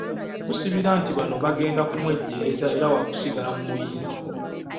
Kusuubirwa nti bano bagenda kumwejjeereza era wa kusigala mu buyinza